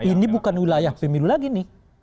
ini bukan wilayah pemilu lagi nih